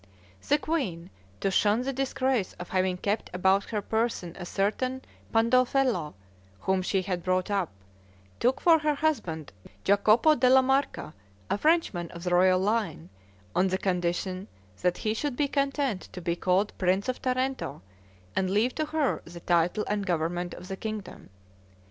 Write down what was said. The queen, to shun the disgrace of having kept about her person a certain Pandolfello, whom she had brought up, took for her husband Giacopo della Marca, a Frenchman of the royal line, on the condition that he should be content to be called Prince of Tarento, and leave to her the title and government of the kingdom.